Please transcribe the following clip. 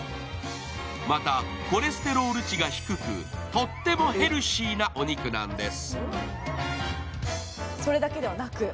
また、コレステロール値が低くとってもヘルシーなお肉なんです。